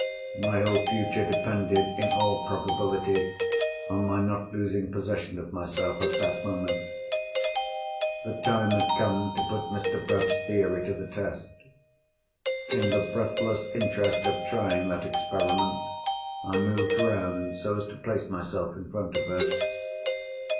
My whole future depended, in all probability, on my not losing possession of myself at that moment. The time had come to put Mr. Bruff's theory to the test. In the breathless interest of trying that experiment, I moved round so as to place myself in front of her.